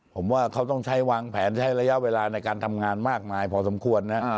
ผมว่าเขาต้องใช้วางแผนใช้ระยะเวลาในการทำงานมากมายพอสมควรนะ